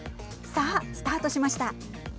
さあ、スタートしました。